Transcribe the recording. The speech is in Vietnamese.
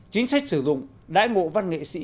chính sách sử dụng đại ngộ văn nghệ sĩ